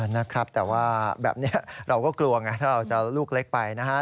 นะครับแต่ว่าแบบนี้เราก็กลัวไงถ้าเราจะลูกเล็กไปนะฮะ